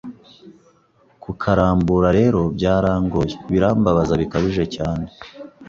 kukarambura rero byarangoye birambabaza bikabije cyane,